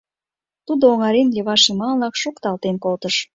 Тудо, оҥарен, леваш йымалнак шокталтен колтыш.